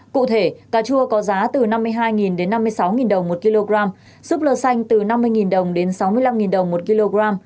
cụ thể cà chua có giá từ năm mươi hai đến năm mươi sáu đồng một kg xúc lơ xanh từ năm mươi đồng đến sáu mươi năm đồng một kg